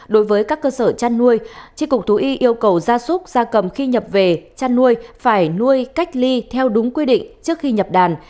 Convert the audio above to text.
đối với các cơ sở chăn nuôi tri cục thú y yêu cầu gia súc gia cầm khi nhập về chăn nuôi phải nuôi cách ly theo đúng quy định trước khi nhập đàn